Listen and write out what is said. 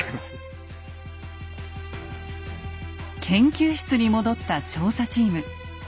研究室に戻った調査チーム。